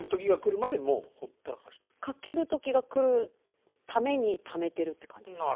書ける時が来るためにためてるって感じです。